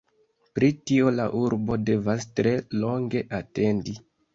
Pri tio la urbo devas tre longe atendi.